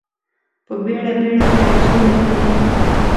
په بیړه، بیړه به یو څو نجونې،